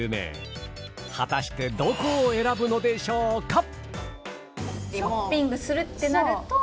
果たしてどこを選ぶのでしょうか？